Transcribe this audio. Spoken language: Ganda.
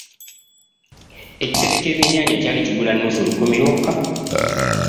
Ekisero ky’ebyennyanja kyali kigula nnusu lukumi lwokka.